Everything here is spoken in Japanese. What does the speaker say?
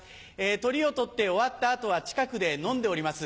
トリを取って終わった後は近くで飲んでおります。